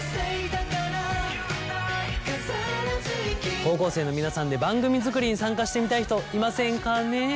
高校生の皆さんで番組作りに参加してみたい人いませんかね。